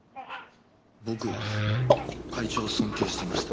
僕は会長を尊敬してました。